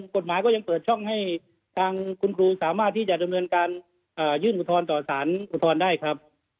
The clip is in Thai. กฎหมายก็ยังเปิดช่องให้ทางคุณครูสามารถที่จะดำเนินการยื่นอุทธรณ์ต่อสารอุทธรณ์ได้ครับ